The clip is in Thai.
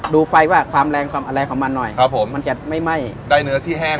ดูไฟว่าความแรงความอะไรของมันหน่อยครับผมมันจะไม่ไหม้ได้เนื้อที่แห้ง